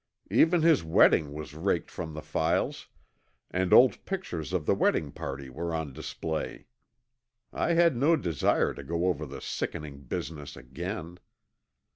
Even his wedding was raked from the files, and old pictures of the wedding party were on display. I had no desire to go over the sickening business again.